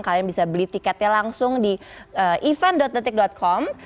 kalian bisa beli tiketnya langsung di event detik com